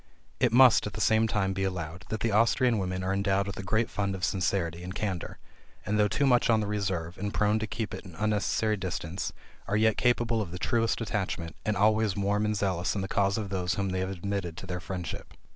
It must, at the same time be allowed, that the Austrian women are endowed with a great fund of sincerity and candor; and, though too much on the reserve, and prone to keep at an unnecessary distance, are yet capable of the truest attachment, and always warm and zealous in the cause of those whom they have admitted to their friendship.